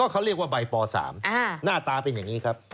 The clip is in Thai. เขาเรียกว่าใบป๓หน้าตาเป็นอย่างนี้ครับ